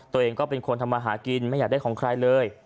ตัวเองก็เป็นคนทำมาหากินไม่อยากได้ของใครเลย